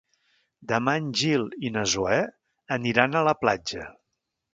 Demà en Gil i na Zoè aniran a la platja.